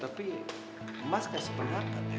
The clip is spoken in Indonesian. tapi mas kasih penyarangan ya